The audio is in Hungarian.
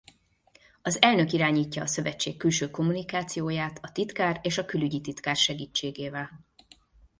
Az Elnök irányítja a szövetség külső kommunikációját a Titkár és a Külügyi Titkár segítségével.